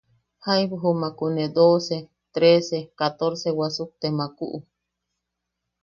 Jaibu jumakune doce, trece, catorce wasukte makku.